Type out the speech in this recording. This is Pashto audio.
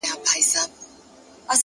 o د ژوند دوهم جنم دې حد ته رسولی يمه،